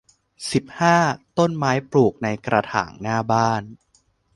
สิบห้า ต้นไม้ปลูกในกระถางหน้าบ้าน